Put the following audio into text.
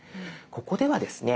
ここではですね